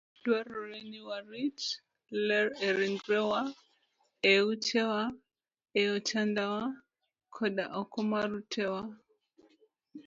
Dwarore ni warit ler e ringrewa, e utewa, e otandawa, koda oko mar utewa.